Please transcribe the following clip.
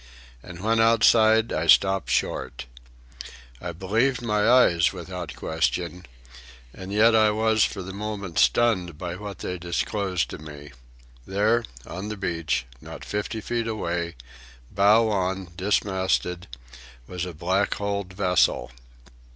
And when outside, I stopped short. I believed my eyes without question, and yet I was for the moment stunned by what they disclosed to me. There, on the beach, not fifty feet away, bow on, dismasted, was a black hulled vessel.